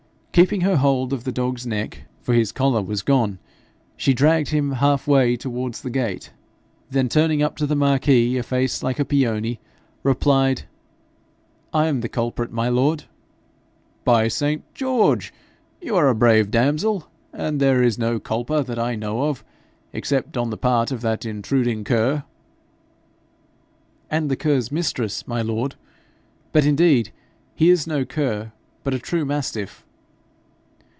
Keeping her hold of the dog's neck, for his collar was gone, she dragged him half way towards the gate, then turning up to the marquis a face like a peony, replied 'I am the culprit, my lord.' 'By St. George! you are a brave damsel, and there is no culpa that I know of, except on the part of that intruding cur.' 'And the cur's mistress, my lord. But, indeed, he is no cur, but a true mastiff.'